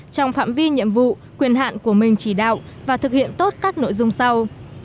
trong phạm vi nhiệm vụ quyền hạn của mình chỉ đạo và thực hiện tốt các nội dung sau